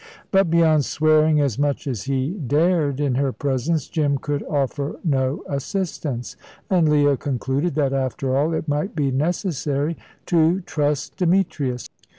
But, beyond swearing as much as he dared in her presence, Jim could offer no assistance, and Leah concluded that, after all, it might be necessary to trust Demetrius.